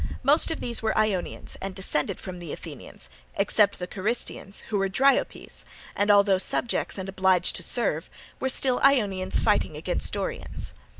Most of these were Ionians and descended from the Athenians, except the Carystians, who are Dryopes, and although subjects and obliged to serve, were still Ionians fighting against Dorians.